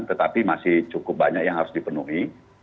tetapi masih cukup banyak yang harus dipenuhi